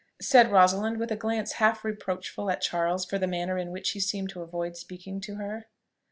said Rosalind with a glance half reproachful at Charles for the manner in which he seemed to avoid speaking to her.